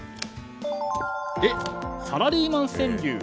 サラリーマン川柳